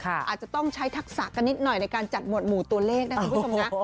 อาจจะต้องใช้ทักษะกันนิดหน่อยในการจัดหวดหมู่ตัวเลขนะคุณผู้ชมนะ